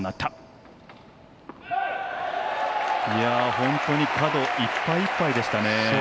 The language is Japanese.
本当に角いっぱいいっぱいでしたね。